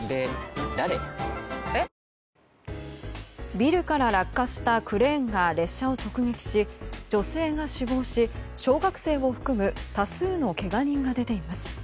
ビルから落下したクレーンが列車を直撃し女性が死亡し、小学生を含む多数のけが人が出ています。